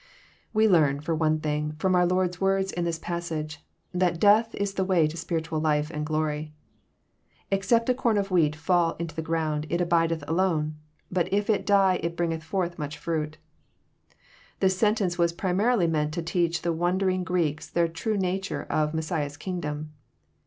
We learn, for one thing, from our Lord's words in this passage, that decUh is the way to apiritucU life and glory. *^ Except a com of wheat fall into the ground, it abideth alone ; but if it die, it bringeth forth much fruit. This sentence was primarily meant to teach the wonder ing Greeks the true nature of Messiah's kingdom.